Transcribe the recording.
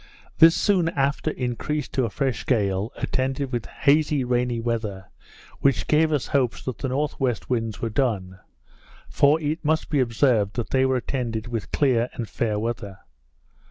This soon after increased to a fresh gale, attended with hazy, rainy weather, which gave us hopes that the N.W. winds were done; for it must be observed, that they were attended with clear and fair weather.